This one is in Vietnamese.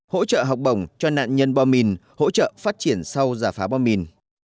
hỗ trợ học bổng cho nạn nhân bom mìn hỗ trợ phát triển sau giả phá bom mìn